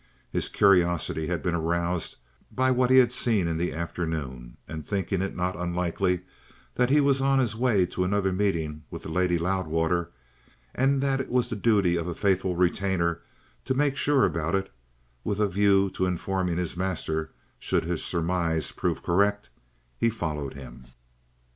His curiosity had been aroused by what he had seen in the afternoon, and thinking it not unlikely that he was on his way to another meeting with the Lady Loudwater, and that it was the duty of a faithful retainer to make sure about it, with a view to informing his master should his surmise prove correct, he followed him.